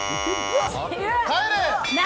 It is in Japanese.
帰れ！